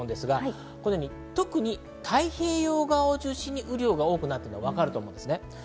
特に太平洋側を中心に雨量が多くなっているのがわかります。